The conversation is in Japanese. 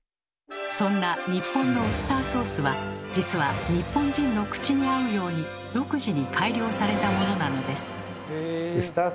そんな日本のウスターソースは実は日本人の口に合うように独自に改良されたものなのです。